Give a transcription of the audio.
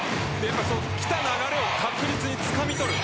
きた流れを確実につかみ取る。